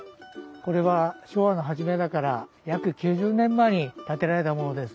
これは昭和の初めだから約９０年前に建てられたものです。